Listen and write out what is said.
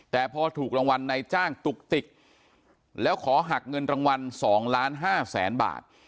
แต่พอถูกรางวัลในจ้างตุกติกแล้วขอหักเงินรางวัล๒ล้านห้าแสนบาท